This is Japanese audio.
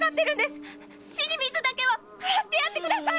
死に水だけは取らせてやってください！